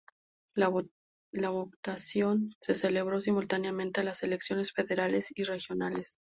La votación se celebró simultáneamente a las elecciones federales y regionales.